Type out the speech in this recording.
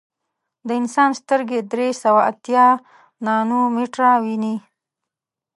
د انسان سترګې درې سوه اتیا نانومیټره ویني.